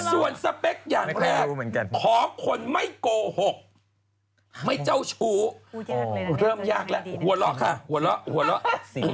ส่วนสเปคอย่างแรกขอคนไม่โกหกไม่เจ้าชู้พูดยากเลยนะเริ่มยากแล้วหัวเราะค่ะหัวเราะหัวเราะ